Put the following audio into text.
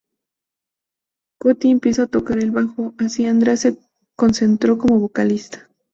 Coti empieza a tocar el bajo, así Andrea se concentró como vocalista.